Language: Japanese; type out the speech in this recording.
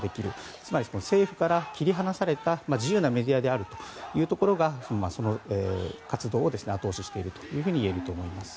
つまり、政府から切り離された自由なメディアであるというところが活動を後押ししているといえると思います。